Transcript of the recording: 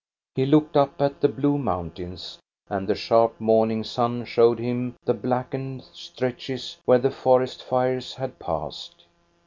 He looked up at the blue mountains, and the sharp morning sun showed him the blackened stretches where the forest fires had passed.